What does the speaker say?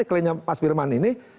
kerennya mas firman ini